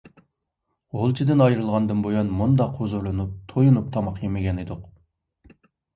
غۇلجىدىن ئايرىلغاندىن بۇيان ، مۇنداق ھۇزۇرلىنىپ، تويۇنۇپ تاماق يېمىگەن ئىدۇق .